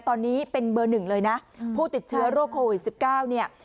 ตอนนี้เป็นเบอร์หนึ่งเลยนะผู้ติดเชื้อโรคโควิด๑๙เนี่ย